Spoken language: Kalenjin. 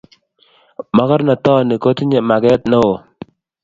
Mokornontit kotinye maket neo